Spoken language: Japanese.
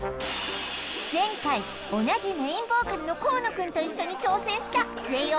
前回同じメインボーカルの河野君と一緒に挑戦したＪＯ